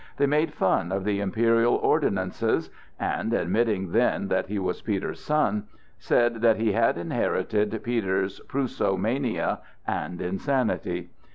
They made fun of the imperial ordinances and (admitting then that he was Peter's son) said that he had inherited Peter's Prussomania and insanity.